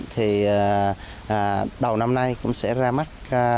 thì đầu năm nay cũng sẽ ra mắt